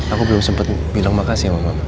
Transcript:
aku belum sempet bilang makasih sama mama